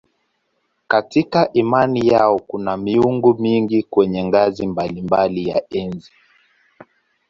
Katika imani yao kuna miungu mingi kwenye ngazi mbalimbali ya enzi.